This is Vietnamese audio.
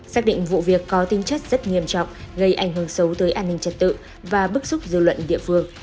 xác định vụ việc có tính chất rất nghiêm trọng gây ảnh hưởng xấu tới an ninh trật tự và bức xúc dư luận địa phương